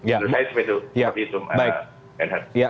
dan itu saya seperti itu